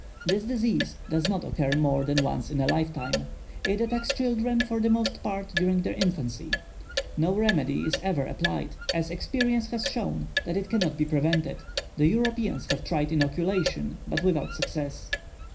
This disease does not occur more than once in a lifetime; it attacks children for the most part during their infancy. No remedy is ever applied, as experience has shown that it cannot be prevented; the Europeans have tried inoculation, but without success.